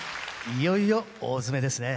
いよいよ大詰めですね。